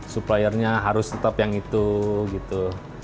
suppliernya harus tetap yang itu gitu